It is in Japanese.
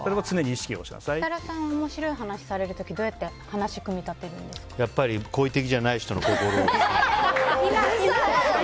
設楽さん、面白い話をされる時どうやって話をやっぱり好意的じゃない人の心を。